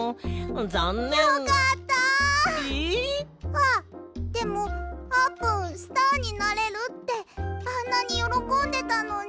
あでもあーぷんスターになれるってあんなによろこんでたのに。